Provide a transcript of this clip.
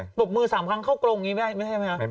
ตบมือสามครั้งเข้ากลงไม่ได้ไหมครับ